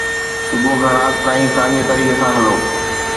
صبح کان رات تائين ساڳئي طريقي سان هلو